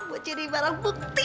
buat jadi barang bukti